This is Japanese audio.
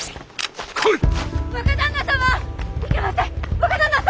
若旦那様！